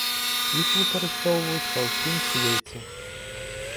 Іх выкарыстоўваюць па ўсім свеце.